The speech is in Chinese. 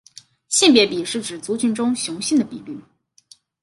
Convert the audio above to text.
性别比是指族群中雄性的比率。